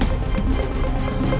masih nggak dipercepat lagi